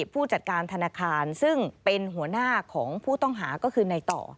ผู้จัดการธนาคารซึ่งเป็นหัวหน้าของผู้ต้องหาก็คือในต่อ